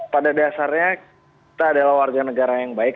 pada dasarnya kita adalah warga negara yang baik